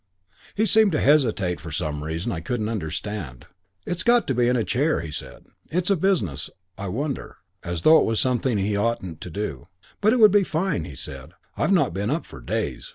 "He seemed to hesitate for some reason I couldn't understand. 'It's got to be in a chair,' he said. 'It's a business. I wonder ' That kind of thing, as though it was something he oughtn't to do. 'But it would be fine,' he said. 'I've not been up for days.